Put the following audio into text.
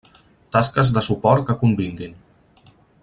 Tasques de suport que convinguin.